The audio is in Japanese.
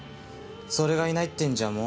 それがいないってんじゃもう。